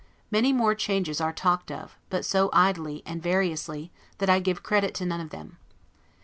Many more changes are talked of, but so idly, and variously, that I give credit to none of them.